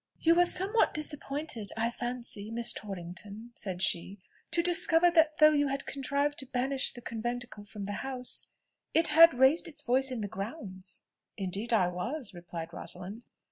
"You were somewhat disappointed, I fancy, Miss Torrington," said she, "to discover that though you had contrived to banish the conventicle from the house, it had raised its voice in the grounds." "Indeed I was," replied Rosalind.